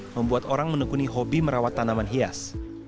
membuat orang menekuni hobi merawat tanaman hias